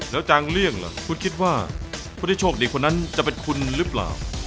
แล้วจางเลี่ยงล่ะคุณคิดว่าผู้ที่โชคดีคนนั้นจะเป็นคุณหรือเปล่า